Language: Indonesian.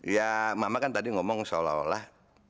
ya mama kan tadi ngomong seolah olah